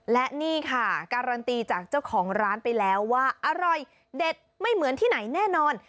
และนี่ค่ะการันตีจากเจ้าของร้านไปแล้วว่าอร่อยเด็ดไม่เหมือนที่ไหนแน่นอน